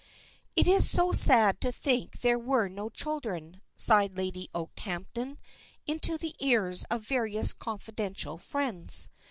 "It is so sad to think there were no children," sighed Lady Okehampton into the ears of various confidential friends.